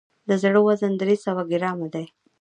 د زړه وزن درې سوه ګرامه دی.